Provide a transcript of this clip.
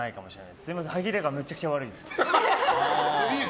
すみません歯切れがめちゃくちゃ悪いです。